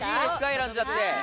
選んじゃって。